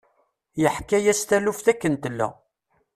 Yeḥka-yas taluft akken tella.